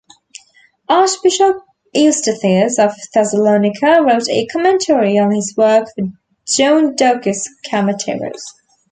Archbishop Eustathius of Thessalonica wrote a commentary on his work for John Doukas Kamateros.